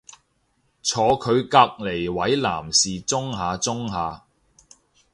坐佢隔離位男士舂下舂下